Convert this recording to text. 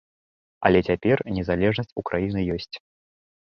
Але цяпер незалежнасць у краіны ёсць.